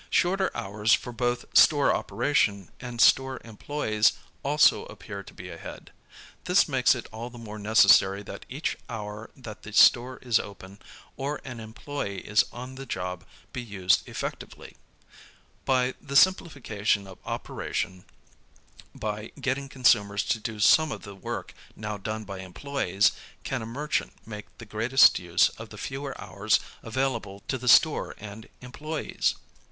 Shorter hours for both store operation and store employes also appear to be ahead. This makes it all the more necessary that each hour that the store is open or an employe is on the job be used effectively. By the WHY THE TREND TO SELF SERVICE 9 simplification of operation, by getting consumers to do some of the work now done by employes, can a merchant make the greatest use of the fewer hours available to the store and employes.